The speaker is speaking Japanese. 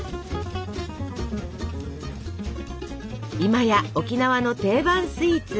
今や沖縄の定番スイーツ。